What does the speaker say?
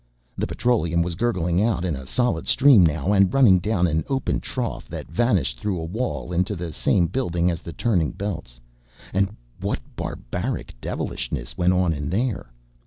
The petroleum was gurgling out in a solid stream now, and running down an open trough that vanished through the wall into the same building as the turning belts. And what barbaric devilishness went on in there?